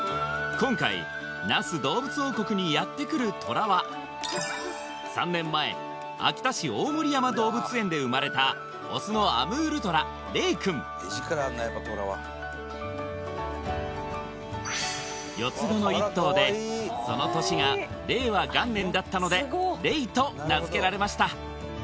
今回那須どうぶつ王国にやってくるトラは３年前秋田市大森山動物園で生まれたオスのアムールトラ令くん４つ子の１頭でその年が令和元年だったので令と名付けられました